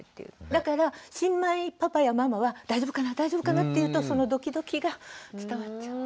だから新米パパやママは大丈夫かな大丈夫かなっていうとそのドキドキが伝わっちゃう。